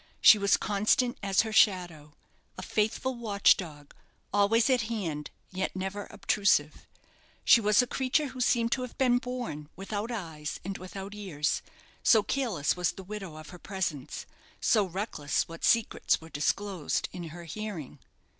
She was constant as her shadow; a faithful watch dog, always at hand, yet never obtrusive. She was a creature who seemed to have been born without eyes and without ears; so careless was the widow of her presence, so reckless what secrets were disclosed in her hearing.